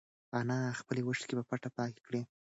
انا خپلې اوښکې په پټه پاکې کړې.